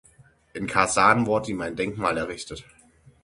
In Kasan wurde ihm ein Denkmal errichtet.